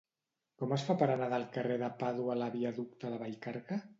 Com es fa per anar del carrer de Pàdua a la viaducte de Vallcarca?